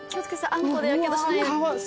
あんこでやけどしないように。